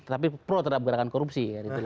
tapi pro terhadap gerakan korupsi